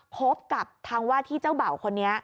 พบกับทางว่าที่เจ้าเบ่าคนนี้